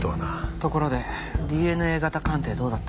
ところでＤＮＡ型鑑定どうだった？